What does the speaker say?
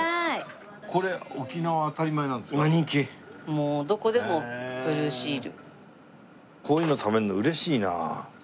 もうどこでもブルーシール。